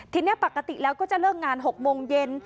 ทีนี้ปกติแล้วก็จะเลิกงาน๖โมงเย็น